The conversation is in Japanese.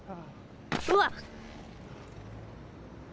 うわっ！